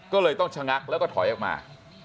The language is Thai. ก็เลยต้องชะงักแล้วก็ถอยออกมา